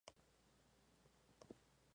El año siguiente fue Cenicienta y Odette.